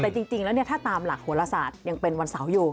แต่จริงแล้วถ้าตามหลักโหลศาสตร์ยังเป็นวันเสาร์อยู่